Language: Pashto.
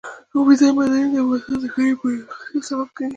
اوبزین معدنونه د افغانستان د ښاري پراختیا سبب کېږي.